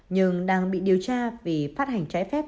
nhưng đang bị điều tra vì phát hành trái phép